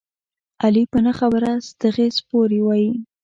علي په نه خبره ستغې سپورې وايي.